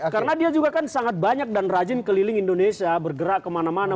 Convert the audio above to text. karena dia juga kan sangat banyak dan rajin keliling indonesia bergerak kemana mana